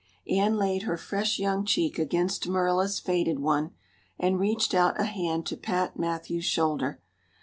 Anne laid her fresh young cheek against Marilla's faded one, and reached out a hand to pat Matthew's shoulder.